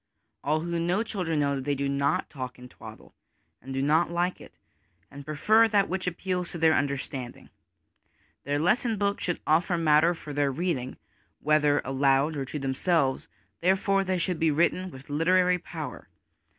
All who know children know that they do not talk twaddle and do not like it, and prefer that which appeals to their understanding. Their lesson books should offer matter for their read ing, whether aloud or to themselves ; therefore they should be written with literary power.